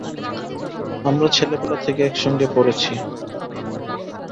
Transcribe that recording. আমরা ছেলেবেলা থেকে একসঙ্গে পড়েছি।